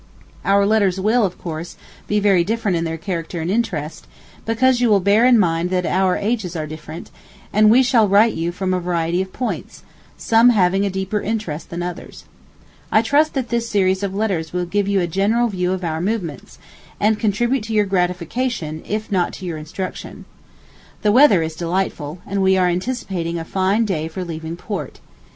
Our letters will, of course, be very different in their character and interest, because you will bear in mind that out ages are different; and we shall write you from a variety of points, some having a deeper interest than others. I trust that this series of letters will give you a general view of our movements, and contribute to your gratification, if not to your instruction. The weather is delightful, and we are anticipating a fine day for leaving port.